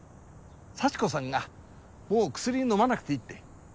幸子さんがもう薬飲まなくていいって。